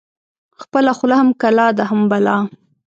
خپله خوله هم کلا ده هم بلا.